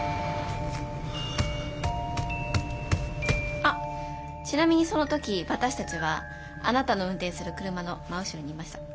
あっちなみにその時私たちはあなたの運転する車の真後ろにいました。